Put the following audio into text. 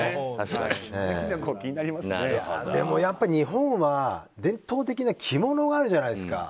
でもやっぱり日本は伝統的な着物があるじゃないですか。